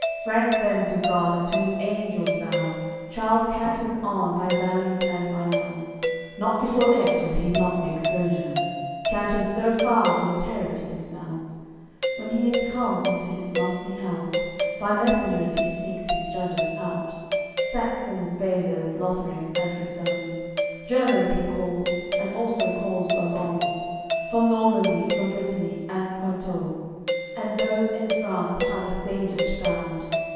Franks them to God and to His Angels vow. Charles canters on, by valleys and by mounts, Not before Aix will he not make sojourn; Canters so far, on th'terrace he dismounts. When he is come into his lofty house, By messengers he seeks his judges out; Saxons, Baivers, Lotherencs and Frisouns, Germans he calls, and also calls Borgounds; From Normandy, from Brittany and Poitou, And those in France that are the sagest found.